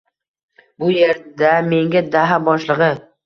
Bu yerda menga daha boshlig’i.